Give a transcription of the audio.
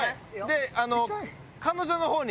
で彼女の方に。